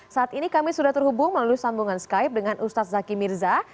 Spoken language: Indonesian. saat ini kami sudah terhubung melalui sambungan skype dengan ustadz zaki mirza